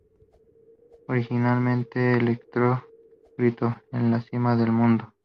Originalmente, Electro gritó "¡En la cima del mundo!